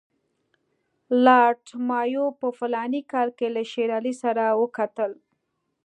لارډ مایو په فلاني کال کې له شېر علي سره وکتل.